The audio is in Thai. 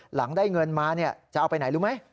หลังได้เงินมาจะเอาไปไหนรู้ไหม